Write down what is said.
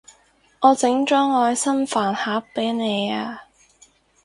我整咗愛心飯盒畀你啊